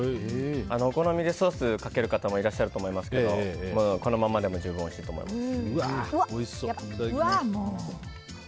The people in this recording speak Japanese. お好みでソースをつける方いると思いますけどこのままでも十分おいしいと思います。